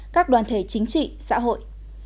các đoàn thể chính trị xã hội